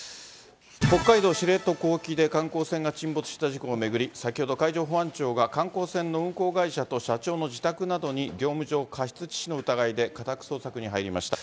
北海道知床沖で、観光船が沈没した事故を巡り、先ほど、海上保安庁が観光船の運航会社と社長の自宅などに、業務上過失致死の疑いで家宅捜索に入りました。